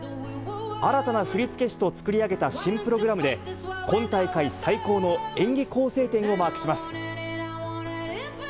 新たな振付師と作り上げた新プログラムで、今大会最高の演技構成点をマークします。